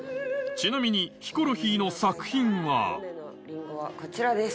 ちなみにヒコロヒーの作品はこちらです。